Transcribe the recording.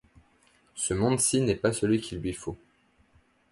Ce monde-ci n’est pas celui qu’il lui faut.